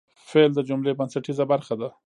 فعل د جملې بنسټیزه برخه ده.